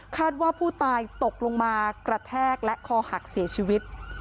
ว่าผู้ตายตกลงมากระแทกและคอหักเสียชีวิต